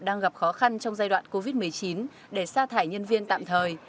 đang gặp khó khăn trong giai đoạn covid một mươi chín để xa thải nhân viên tạm thời